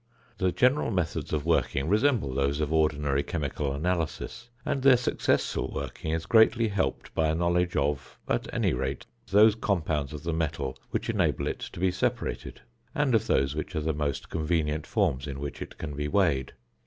The general methods of working resemble those of ordinary chemical analysis, and their successful working is greatly helped by a knowledge of, at any rate, those compounds of the metal which enable it to be separated, and of those which are the most convenient forms in which it can be weighed.